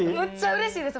「うれしいです。